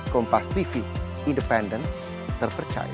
kompas tv independen terpercaya